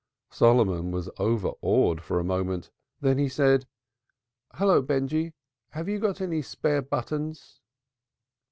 Solomon was overawed for a moment. Then he said, "Hullo, Benjy, have you got any spare buttons?"